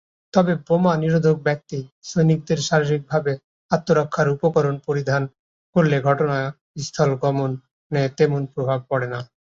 তবে বোমা নিরোধক ব্যক্তি, সৈনিকদের শারীরিকভাবে আত্মরক্ষার উপকরণ পরিধান করলে ঘটনাস্থল গমনে তেমন প্রভাব পড়ে না।